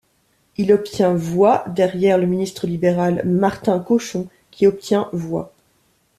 Il obtient voix, derrière le ministre libéral Martin Cauchon qui obtient voix.